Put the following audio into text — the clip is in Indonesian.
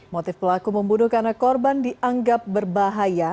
motif pelaku membunuh karena korban dianggap berbahaya